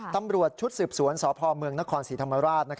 ตำรวจชุดสืบสวนสพมนศรีธรรมราช